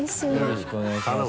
よろしくお願いします。